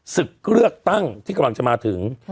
ศึกเลือกตั้งที่กำลังจะมาถึง